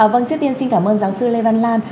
vâng trước tiên xin cảm ơn giáo sư lê văn lan